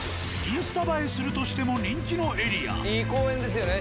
いい公園ですよね